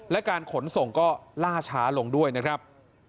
และการขนส่งก็ล่าช้าลงด้วยนะครับ